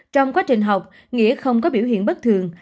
trong quá trình học nghĩa không có biểu hiện bất thường